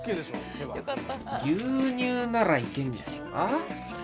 牛乳ならいけんじゃねえか？